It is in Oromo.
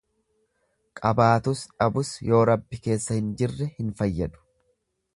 Qabaatus dhabus yoo Rabbi keessa hin jirre hin fayyadu.